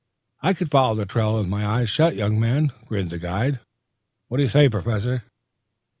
"I could follow the trail with my eyes shut, young man," grinned the guide. "What do you say, Professor?"